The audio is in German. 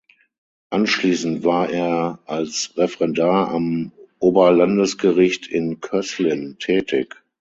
Anschließend war er als Referendar am Oberlandesgericht in Köslin tätig.